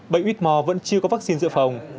bệnh huyết mò vẫn chưa có vắc xin giữa phòng